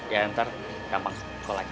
ya ntar gampang collect ya